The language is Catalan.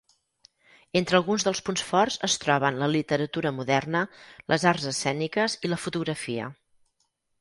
Entre alguns dels punts forts es troben la literatura moderna, les arts escèniques i la fotografia.